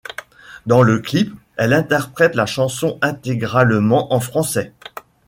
Dans le clip, elle interprète la chanson intégralement en français.